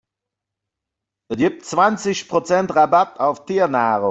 Es gibt zwanzig Prozent Rabatt auf Tiernahrung.